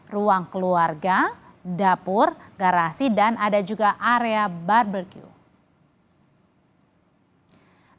ruang keluarga dapur garasi dan ada juga area barbecue